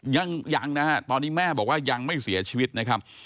ยังยังนะฮะตอนนี้แม่บอกว่ายังไม่เสียชีวิตนะครับ